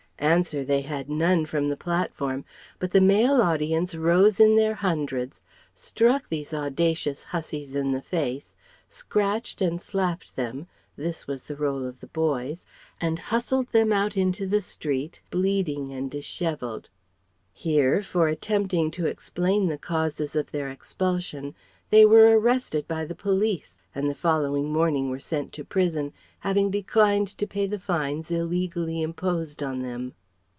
Answer they had none, from the platform; but the male audience rose in their hundreds, struck these audacious hussies in the face, scratched and slapped them (this was the rôle of the boys), and hustled them out into the street, bleeding and dishevelled. Here for attempting to explain the causes of their expulsion they were arrested by the police, and the following morning were sent to prison, having declined to pay the fines illegally imposed on them.